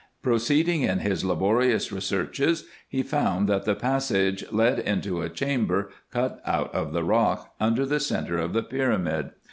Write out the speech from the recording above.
Proceeding in his laborious researches, he found, that the passage led into a chamber cut out of the rock, under the centre of the pyramid.